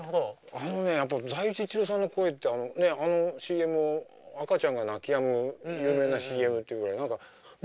あのねやっぱ財津一郎さんの声ってあのＣＭ赤ちゃんが泣きやむ有名なＣＭっていうぐらい何か耳に残るんですよ。